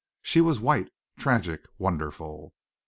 She was white, tragic, wonderful.